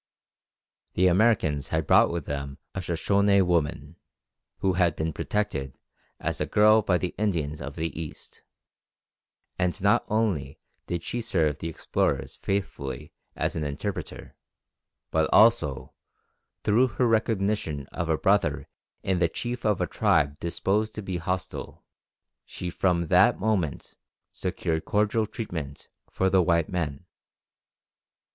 The Americans had brought with them a Soshone woman, who had been protected as a girl by the Indians of the east, and not only did she serve the explorers faithfully as an interpreter, but also, through her recognition of a brother in the chief of a tribe disposed to be hostile, she from that moment secured cordial treatment for the white men.